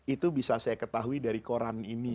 itu bisa saya ketahui dari koran ini